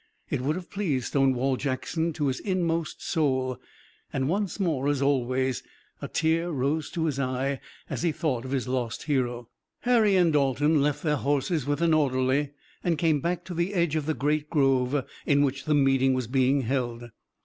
It would have pleased Stonewall Jackson to his inmost soul, and once more, as always, a tear rose to his eye as he thought of his lost hero. Harry and Dalton left their horses with an orderly and came back to the edge of the great grove, in which the meeting was being held.